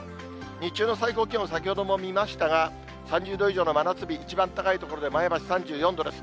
日中の最高気温、先ほども見ましたが、３０度以上の真夏日、一番高い所で、前橋３４度です。